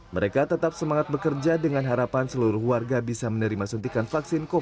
mereka tetap semangat bekerja dengan harapan seluruh warga bisa menerima suntikan vaksinator